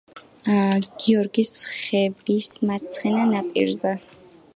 გიორგის ხევის მარცხენა ნაპირზე.